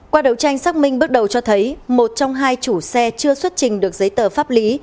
qua đấu tranh xác minh bước đầu cho thấy một trong hai chủ xe chưa xuất trình được giấy tờ pháp lý